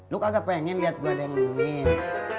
lu kagak pengen liat gua dengerin